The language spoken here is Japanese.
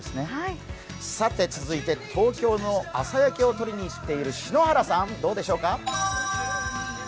続いて東京の朝焼けを撮りに行っている篠原さん、どうでしょうか。